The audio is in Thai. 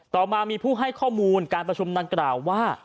ต่อมามีผู้ให้ข้อมูลการประชุมดังกล่าวว่า